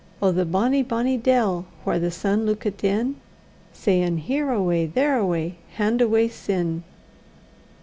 Oh! the bonny, bonny dell, whaur the sun luikit in, Sayin', Here awa', there awa', hand awa', sin.